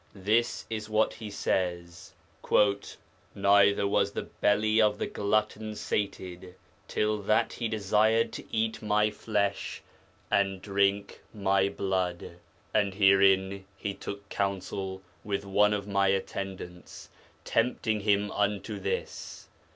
This is what he says, 'Neither was the belly of the glutton sated till that he desired to eat my flesh and drink my blood.... And herein he took counsel with one of my attendants, tempting him unto this....